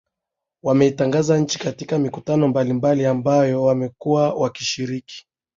Wameitangaza nchi katika mikutano mbalimbali ambayo wamekuwa wakishiriki